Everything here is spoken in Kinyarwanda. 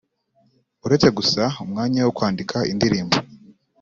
“Uretse gusa umwanya wo kwandika indirimbo